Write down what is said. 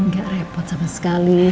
gak repot sama sekali